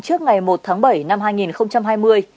trước ngày một tháng bảy năm hai nghìn hai mươi